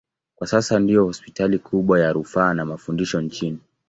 Kwa sasa ndiyo hospitali kubwa ya rufaa na mafundisho nchini.